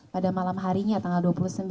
pada malam harinya tanggal dua puluh sembilan